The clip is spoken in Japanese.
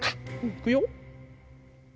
いくよ。